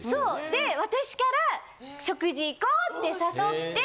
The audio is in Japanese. で私から食事行こうって誘って。